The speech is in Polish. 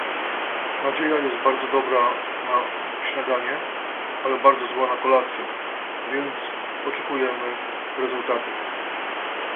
Nadzieja jest bardzo dobra na śniadanie, ale bardzo zła na kolację, więc oczekujemy rezultatów